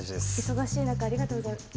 忙しい中ありがとうございます